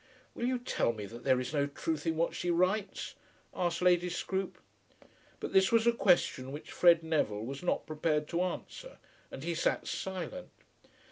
"Will you tell me that there is no truth in what she writes?" asked Lady Scroope. But this was a question which Fred Neville was not prepared to answer, and he sat silent.